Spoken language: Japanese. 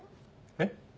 えっ？